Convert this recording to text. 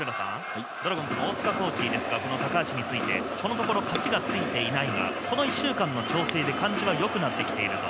ドラゴンズ、大塚コーチですがこの高橋についてこのところ勝ちがついていないがこの１週間の調整で感じは良くなってきていると。